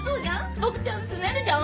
ボクちゃんすねるじゃん。